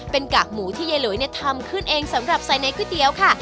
เป็นกากหมูที่ไยหลวยเนี้ยทำคืนเองสำหรับใส่ในคุตเกี๊ยวค่ะ